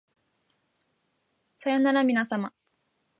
さようならみなさま